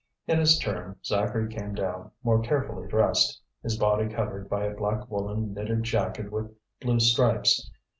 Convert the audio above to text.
In his turn, Zacharie came down, more carefully dressed, his body covered by a black woollen knitted jacket with blue stripes.